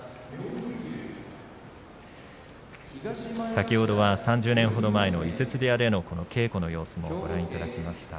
先ほどは３０年ほど前の井筒部屋での稽古の様子もご覧いただきました。